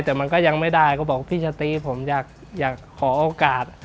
แต่มันก็ยังไม่ได้พี่ชาติะบอกว่าผมอยากขอโอกาส